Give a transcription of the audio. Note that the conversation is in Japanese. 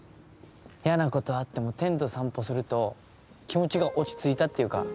嫌なことあってもてんと散歩すると気持ちが落ち着いたっていうか。